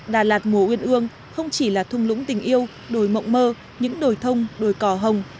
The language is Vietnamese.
đà lạt mùa uyên ương không chỉ là thung lũng tình yêu đồi mộng mơ những đồi thông đồi cỏ hồng